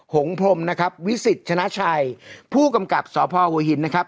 หงพรมนะครับวิสิตชนะชัยผู้กำกับสพหัวหินนะครับ